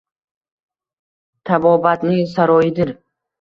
Tabobatning saroyidir…